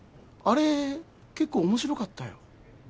あれ結構面白かったよ。